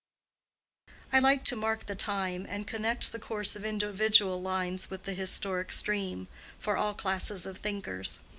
I like to mark the time, and connect the course of individual lives with the historic stream, for all classes of thinkers.